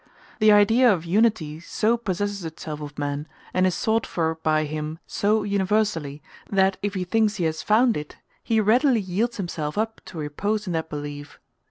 The idea of unity so possesses itself of man, and is sought for by him so universally, that if he thinks he has found it, he readily yields himself up to repose in that belief.